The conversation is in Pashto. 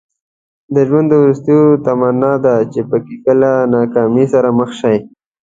د ژوند وروستۍ تمنا ده چې کله ناکامۍ سره مخ شئ.